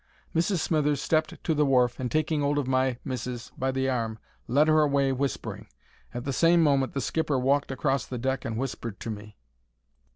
Mrs. Smithers stepped on to the wharf and, taking 'old of my missis by the arm, led her away whispering. At the same moment the skipper walked across the deck and whispered to me.